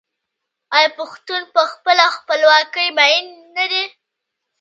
آیا پښتون په خپله خپلواکۍ مین نه دی؟